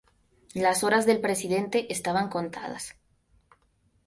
Las horas del presidente estaban contadas.